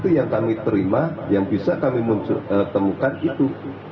yang kami terima yang bisa kami temukan itu